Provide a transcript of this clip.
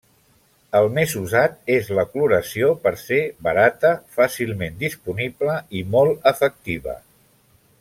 El més usat és la cloració per ser barata, fàcilment disponible i molt efectiva.